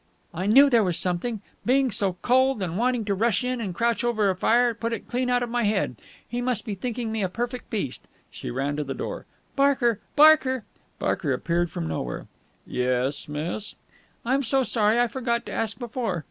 "I knew there was something! Being so cold and wanting to rush in and crouch over a fire put it clean out of my head. He must be thinking me a perfect beast!" She ran to the door. "Barker! Barker!" Barker appeared from nowhere. "Yes, miss?" "I'm so sorry I forgot to ask before.